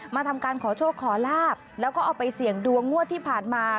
ทำการขอโชคขอลาบแล้วก็เอาไปเสี่ยงดวงงวดที่ผ่านมา